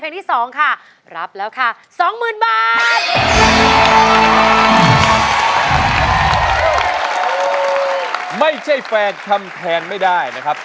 เพลงที่สองมูลค่าสองหมื่นบาทนะครับ